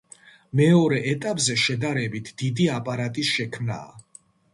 მეორე ეტაპზე შედარებით დიდი აპარატის შექმნაა.